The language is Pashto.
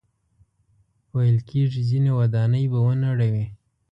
ویل کېږي ځینې ودانۍ به ونړوي.